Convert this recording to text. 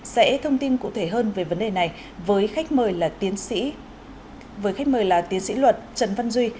sẽ thông tin cụ thể hơn về vấn đề này với khách mời là tiến sĩ luật trần văn duy